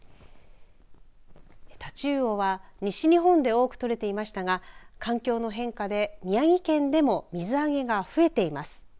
タチウオは西日本で多く取れていましたが環境の変化で宮城県でも水揚げが増えています。